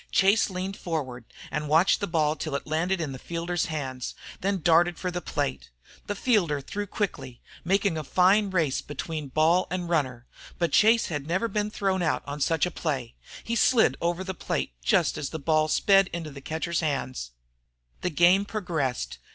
Chase leaned forward and watched the ball till it landed in the fielder's hands, then he darted for the plate. The fielder threw quickly, making a fine race between ball and runner. But Chase had never yet been thrown out on such a play. He slid over the plate just as the ball sped into the catcher's hands. The game progressed.